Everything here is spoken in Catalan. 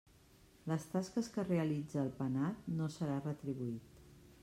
Les tasques que realitze el penat no serà retribuït.